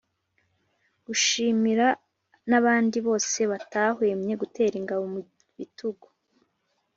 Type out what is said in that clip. gushimira n'abandi bose batahwemye gutera ingabo mu bitugu